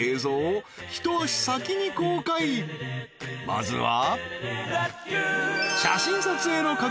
［まずは］